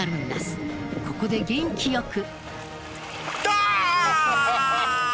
ここで元気よく。